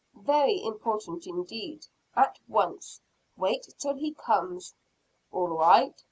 Very important indeed. At once. Wait till he comes." "All right."